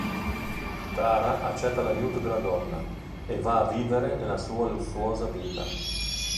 Tara accetta l'aiuto della donna e va a vivere nella sua lussuosa villa.